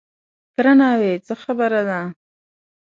_تره ناوې! څه خبره ده؟